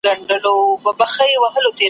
سیال مو نه دي د نړۍ واړه قومونه `